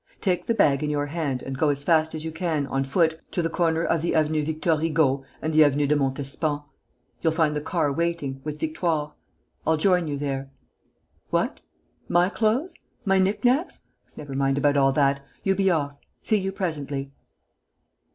Take the bag in your hand and go as fast as you can, on foot, to the corner of the Avenue Victor Hugo and the Avenue de Montespan. You'll find the car waiting, with Victoire. I'll join you there.... What?... My clothes? My knick knacks?... Never mind about all that.... You be off. See you presently."